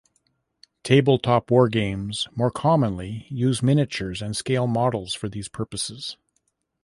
Tabletop wargames more commonly use miniatures and scale models for these purposes.